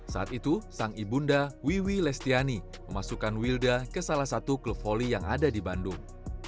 saat itu sang ibunda wiwi lestiani memasukkan wilda ke salah satu klub voli yang ada di bandung